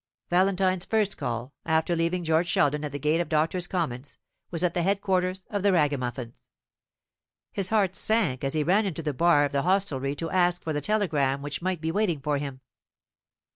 Valentine's first call, after leaving George Sheldon at the gate of Doctors' Commons, was at the head quarters of the Ragamuffins. His heart sank as he ran into the bar of the hostelry to ask for the telegram which might be waiting for him.